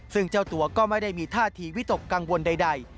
ซึ่งเจ้าตัวก็ไม่ได้มีท่าทีวิตกกังวลใด